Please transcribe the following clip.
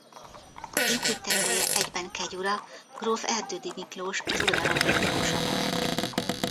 Építtetője egyben kegyura gróf Erdődy Miklós az uradalom birtokosa volt.